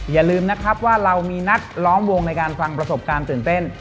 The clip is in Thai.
อย่าลืมนะครับว่าเรามีนัดล้อมวงในการฟังประสบการณ์ตื่นเต้น